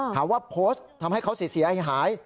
หาว่าโพสต์ทำให้เขาเสียหาย